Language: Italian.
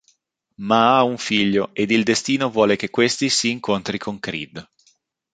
Ma ha un figlio, ed il destino vuole che questi si incontri con Creed.